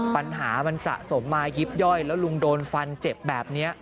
ปัญหามันสะสมมายิบย่อยแล้วลุงโดนฟันเจ็บแบบนี้